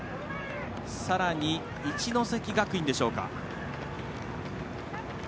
さらに、一関学院でしょうか。